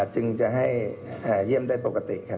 จึงจะให้เยี่ยมได้ปกติครับ